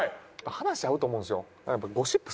話合うと思うんすよ。